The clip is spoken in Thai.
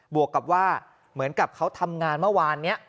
วกกับว่าเหมือนกับเขาทำงานเมื่อวานนี้